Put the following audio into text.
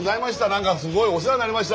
何かすごいお世話になりました。